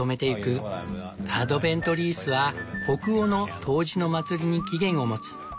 アドベントリースは北欧の冬至の祭りに起源を持つ。